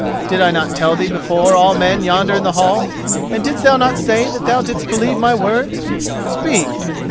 Did I not tell thee before all men yonder in the hall, and didst thou not say that thou didst believe my words? Speak."